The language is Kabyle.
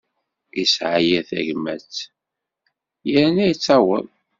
Isɛa yir tagmat, irna ittaweḍ.